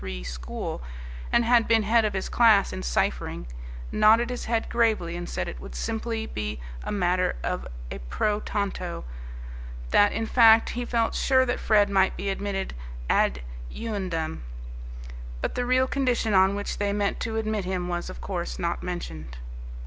3 School, and had been head of his class in ciphering, nodded his head gravely and said it would simply be a matter of a pro tanto; that, in fact, he felt sure that Fred might be admitted ad eundem. But the real condition on which they meant to admit him was, of course, not mentioned.